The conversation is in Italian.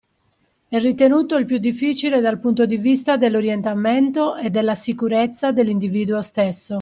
È ritenuto il più difficile dal punto di vista dell’orientamento e della sicurezza dell’individuo stesso.